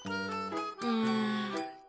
うん。